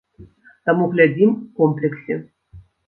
Таму глядзім у комплексе.